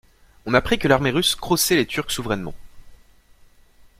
On apprit que l'armée russe crossait les Turks souverainement.